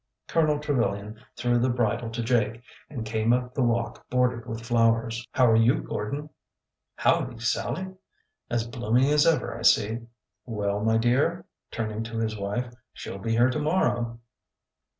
Colonel Trevilian threw the bridle to Jake and came up the walk bordered with flowers. " How are you, Gordon ? Howdy, Sallie ? As bloom ing as ever, I see. Well, my dear," — turning to his wife, —" she 'll be here to morrow."